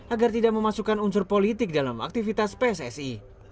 agar tidak memasukkan unsur politik dalam aktivitas pssi